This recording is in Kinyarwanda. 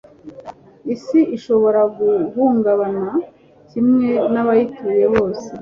isi ishobora guhungabana, kimwe n'abayituye bose